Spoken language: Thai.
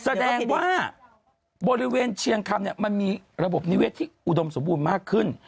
แสดงว่าบริเวณเชียงคำเนี่ยมันมีระบบนิเวศที่อุดมสมบูรณ์มากขึ้น